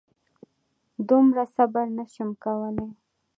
دومره صبر نه شم کولی.